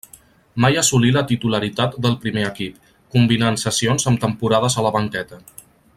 Mai assolí la titularitat del primer equip, combinant cessions amb temporades a la banqueta.